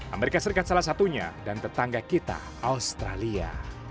amerika serikat salah satunya dan tetangga kita australia